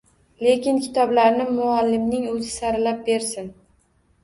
Lekin kitoblarni muallimning o`zi saralab bersin